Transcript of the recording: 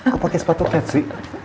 gak pake sepatu fancy